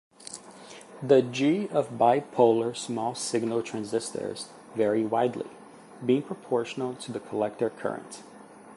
The g of bipolar small-signal transistors varies widely, being proportional to the collector current.